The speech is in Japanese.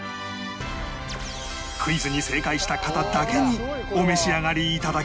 クイズに正解した方だけにお召し上がりいただきます